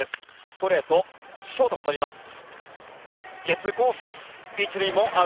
ストレートショートがとります。